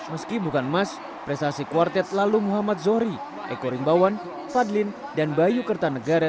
meski bukan emas prestasi kuartet lalu muhammad zohri eko rimbawan fadlin dan bayu kertanegara